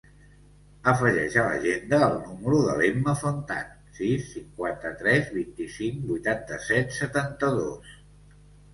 Afegeix a l'agenda el número de l'Emma Fontan: sis, cinquanta-tres, vint-i-cinc, vuitanta-set, setanta-dos.